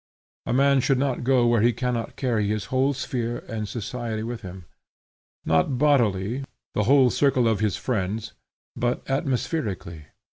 A man should not go where he cannot carry his whole sphere or society with him, not bodily, the whole circle of his friends, but atmospherically.